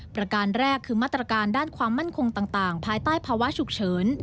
ประการแรกคือมาตรการด้านความมั่นคงต่างภายใต้ภาวะฉุกเฉิน